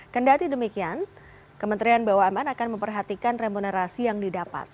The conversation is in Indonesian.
kendati demikian kementerian bumn akan memperhatikan remunerasi yang didapat